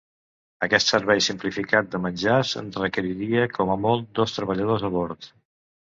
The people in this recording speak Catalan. Aquest servei simplificat de menjars requeriria com a molt dos treballadors a bord.